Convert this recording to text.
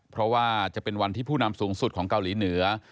เพราะว่าจะเป็นวันที่ผู้นำสูงสุดของเกาหลีเหนือ